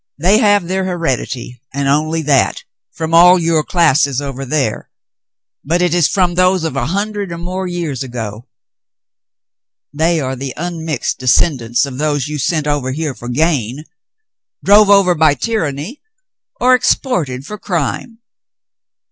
They have their heredity — and only that — from all your classes over there, but it is from those of a hundred or more years ago. They are the unmixed descendants of those you sent over here for gain, drove over by tyranny, or exported for crime."